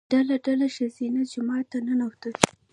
ډله ډله ښځینه جومات ته ننوتل.